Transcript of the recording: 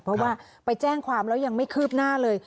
เพราะว่าไปแจ้งความแล้วยังไม่คืบหน้าเลย